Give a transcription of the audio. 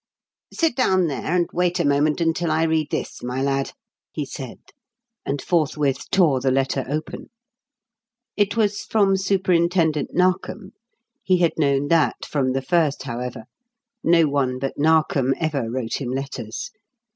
"Sit down there and wait a moment until I read this, my lad," he said; and forthwith tore the letter open. It was from Superintendent Narkom. He had known that from the first, however. No one but Narkom ever wrote him letters.